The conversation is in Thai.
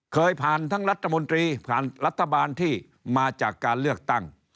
เคยผ่านทั้งรัฐมนตรีผ่านรัฐบาลที่มาจากการเลือกตั้ง